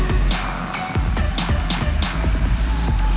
ถีราชศิษฐิสัตว์